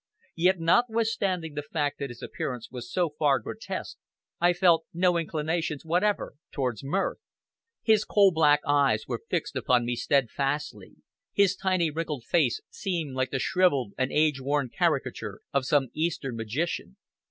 Yet notwithstanding the fact that his appearance was so far grotesque, I felt no inclinations whatever towards mirth. His coal black eyes were fixed upon me steadfastly, his tiny wrinkled face seemed like the shrivelled and age worn caricature of some Eastern magician.